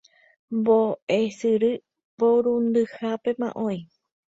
mbo'esyry porundyhápema oĩ.